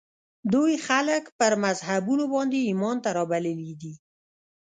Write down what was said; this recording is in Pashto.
دوی خلک پر مذهبونو باندې ایمان ته رابللي دي